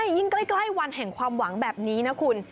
ยิ่งใกล้วันแห่งความหวังแบบนี้นะคุณ